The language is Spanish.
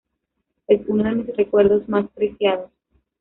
Es uno de mis recuerdos más preciados.